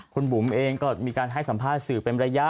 คุณบุ๋มเองก็มีการให้สัมภาษณ์สื่อเป็นระยะ